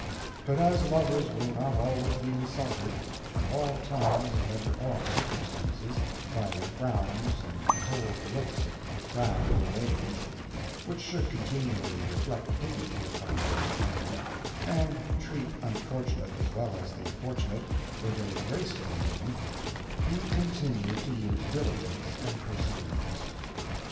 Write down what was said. But as lovers will not always be insulted, at all times and under all circumstances, by the frowns and cold looks of crabbed old age, which should continually reflect dignity upon those around, and treat unfortunate as well as the fortunate with a graceful mien, he continued to use diligence and perseverance.